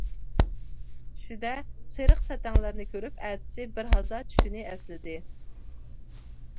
چۈشىدە سېرىق سەتەڭلەرنى كۆرۈپ ئەتىسى بىر ھازا چۈشىنى ئەسلىدى.